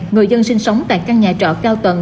người dân sinh sống tại căn nhà trọ cao tầng